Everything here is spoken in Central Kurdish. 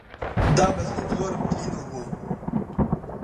دابەزیم، زۆرم تینوو بوو